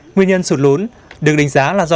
nguyên nhân sụt lún được đánh giá là do